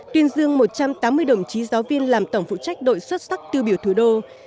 các đồng chí giáo viên làm tổng phụ trách đội xuất sắc tiêu biểu thủ đô